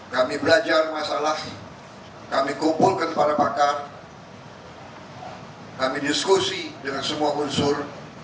kami belajar masalah kami kumpulkan para pakar kami diskusi dengan semua unsur